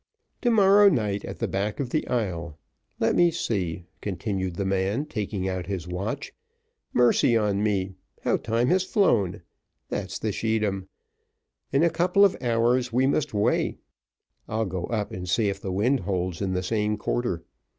"To morrow night at the back of the Isle. Let me see," continued the man, taking out his watch; "mercy on me! how time has flown that's the scheedam. In a couple of hours we must weigh. I'll go up and see if the wind holds in the same quarter.